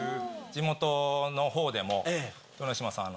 地元のほうでも豊ノ島さん